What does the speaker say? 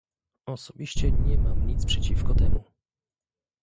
Osobiście nie mam nic przeciwko temu